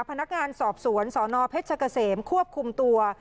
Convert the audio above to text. พนักงานสอบสวนสนเพชรเกษมควบคุมตัว